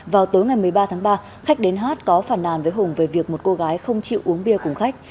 vào tối ngày một mươi ba tháng ba khách đến hát có phản nàn với hùng về việc một cô gái không chịu uống bia cùng khách